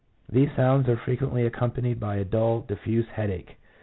These sounds are frequently accompanied by a dull, diffused headache.